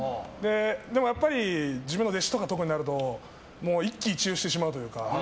でも、やっぱり自分の弟子とか、特になるともう一喜一憂してしまうというか。